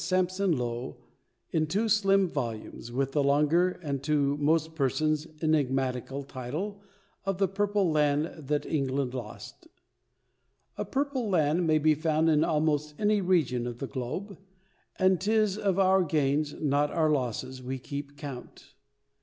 Sampson Low, in two slim volumes, with the longer, and to most persons, enigmatical title of The Purple Land That England Lost. A purple land may be found in almost any region of the globe, and 'tis of our gains, not our losses, we keep count.